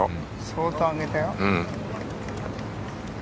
相当上げたよ。